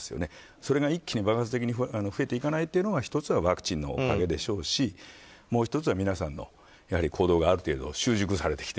それが一気に爆発的に増えていかないというのは１つはワクチンのおかげでしょうしもう１つは皆さんの行動がある程度、習熟されてきて